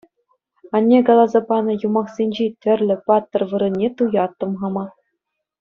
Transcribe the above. Анне каласа панӑ юмахсенчи тӗрлӗ паттӑр вырӑнне туяттӑм хама.